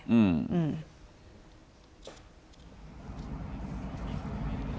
อืม